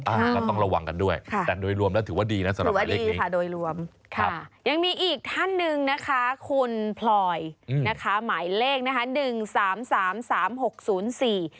แล้วต้องระวังกันด้วยแต่โดยรวมถือว่าดีนะสำหรับหมายเลขนี้